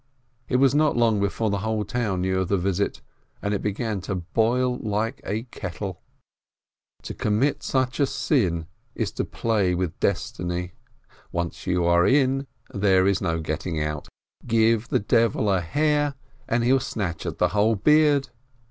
It was not long before the whole town knew of the visit, and it began to boil like a kettle. To commit such sin is to play with destiny. Once you are in, there is no getting out! Give the devil a hair, and he'll snatch at the whole beard.